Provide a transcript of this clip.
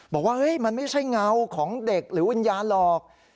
บอกว่ามันไม่ใช่เงาของเด็กหรือวิญญาณหรอก